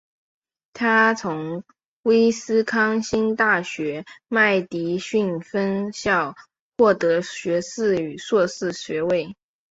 他从威斯康辛大学麦迪逊分校获得学士与硕士学位。